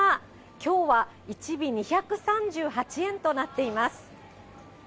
きょうは１尾２３８円となっております。